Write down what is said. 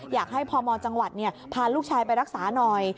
อยากให้พมจังหวัดพาลูกชายไปรักษาหน่อย